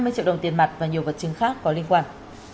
hai mươi triệu đồng tiền mặt và nhiều vật chứng khác có liên quan